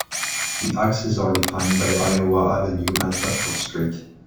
The axes are defined by Iowa Avenue and Capitol Street.